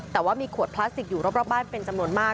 แต่ว่ามีขวดพลาสติกอยู่รอบบ้านเป็นจำนวนมาก